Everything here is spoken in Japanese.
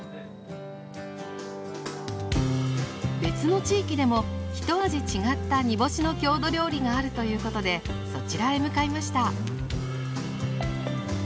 別の地域でもひと味違った煮干しの郷土料理があるということでそちらへ向かいました。